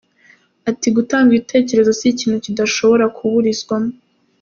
Ati “Gutanga ibitekerezo si ikintu kidashobora kuburizwamo.